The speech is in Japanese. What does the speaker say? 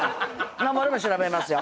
なんぼでも調べますよ。